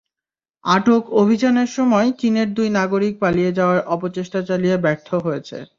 আটক অভিযানের সময় চীনের দুই নাগরিক পালিয়ে যাওয়ার অপচেষ্টা চালিয়ে ব্যর্থ হয়েছেন।